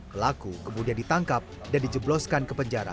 pelaku kemudian ditangkap dan dijebloskan ke penjara